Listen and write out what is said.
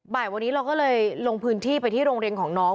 บ่ายวันนี้เราก็เลยลงพื้นที่ไปที่โรงเรียนของน้อง